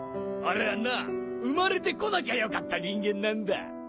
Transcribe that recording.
あれはな生まれてこなきゃよかった人間なんだ